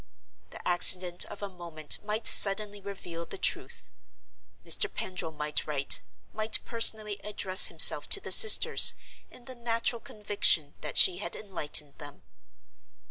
The accident of a moment might suddenly reveal the truth. Mr. Pendril might write, might personally address himself to the sisters, in the natural conviction that she had enlightened them.